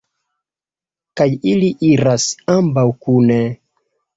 Kaj ili iris ambaŭ kune.